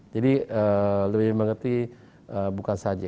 jadi lebih mengerti bukan saja